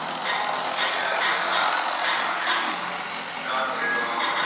Esto no ha sido alcanzado por ningún club de Inglaterra.